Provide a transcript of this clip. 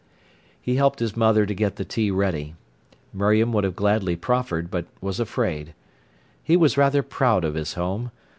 He helped his mother to get the tea ready. Miriam would have gladly proffered, but was afraid. He was rather proud of his home.